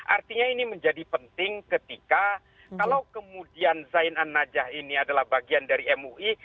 artinya ini menjadi penting ketika kalau kemudian zain an najah ini adalah bagian dari mui